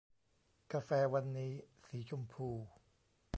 กาแฟวันนี้สีชมพู